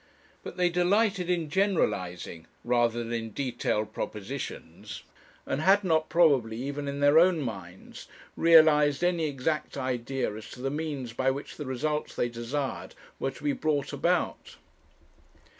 But they delighted in generalizing rather than in detailed propositions; and had not probably, even in their own minds, realized any exact idea as to the means by which the results they desired were to be brought about.